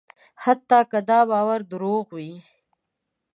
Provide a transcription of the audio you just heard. حتی که دا باور دروغ وي.